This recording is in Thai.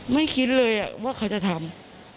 ไม่คิดเลยว่าเขาจะทำ